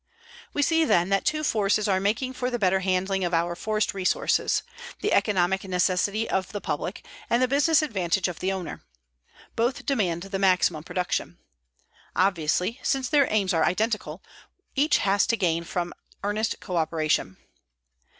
We see, then, that two forces are making for the better handling of our forest resources; the economic necessity of the public and the business advantage of the owner. Both demand the maximum production. Obviously, since their aims are identical, each has to gain from earnest coöperation.